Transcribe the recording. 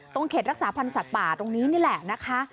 เขตรักษาพันธ์สัตว์ป่าตรงนี้นี่แหละนะคะ